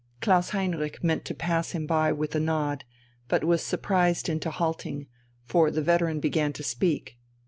Klaus Heinrich meant to pass him by with a nod, but was surprised into halting, for the veteran began to speak.